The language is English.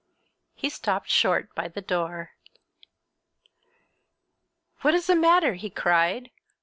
He stopped short by the door. "What is the matter?" he cried.